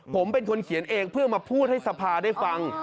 ผมเป็นคนเขียนเองเพื่อมาพูดให้สภาได้ฟัง